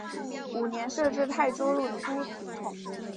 五年设置泰州路都统。